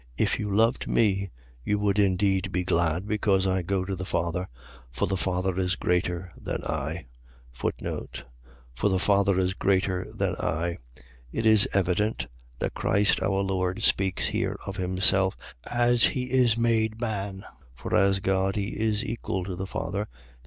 If you loved me you would indeed be glad, because I go to the Father: for the Father is greater than I. For the Father is greater than I. . .It is evident, that Christ our Lord speaks here of himself as he is made man: for as God he is equal to the Father.